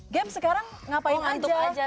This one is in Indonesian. gem sekarang ngapain aja